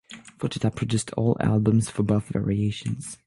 Fujita produced all albums for both variations.